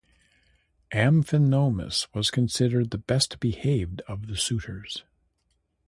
Amphinomus was considered the best-behaved of the suitors.